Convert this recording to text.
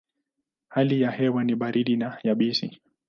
Hali ya hewa ni baridi na yabisi.